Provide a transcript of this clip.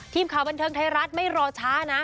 ทีมข่าวบันเทิงไทยรัฐไม่รอช้านะ